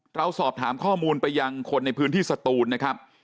เราสอบถามข้อมูลไปยังคนในพื้นที่สตูนนะครับ